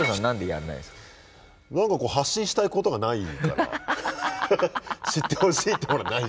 何か発信したいことがないから。